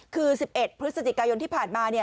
คือ๑๑พฤศจิกายนที่ผ่านมาเนี่ย